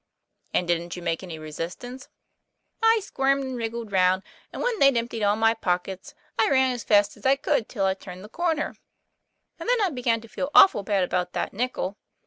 " And didn't you make any resistance ?'" I squirmed and wriggled round, and when they'd emptied all my pockets, I ran as fast as I could till I turned the corner. And then I began to feel awful bad about that nickel.